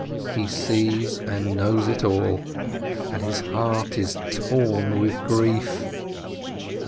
He sees and knows it all, and his heart is torn with grief.